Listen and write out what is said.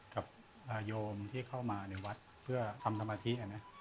กับโยมที่เข้ามาในวัดเพื่อทำสมาธิ